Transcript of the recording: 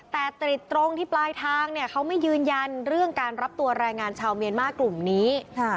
แต่ติดตรงที่ปลายทางเนี่ยเขาไม่ยืนยันเรื่องการรับตัวแรงงานชาวเมียนมาร์กลุ่มนี้